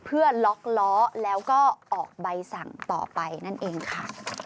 เพื่อล็อกล้อแล้วก็ออกใบสั่งต่อไปนั่นเองค่ะ